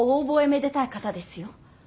めでたい方ですよ。